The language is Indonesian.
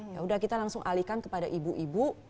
yaudah kita langsung alihkan kepada ibu ibu